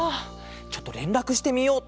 ちょっとれんらくしてみよう。